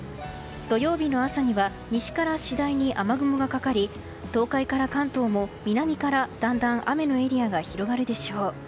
土曜日の朝には西から次第に雨雲がかかり東海から関東も南からだんだん雨のエリアが広がるでしょう。